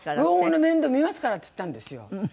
「老後の面倒見ますから」っつったんですよ。